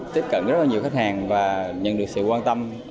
tiếp cận rất là nhiều khách hàng và nhận được sự quan tâm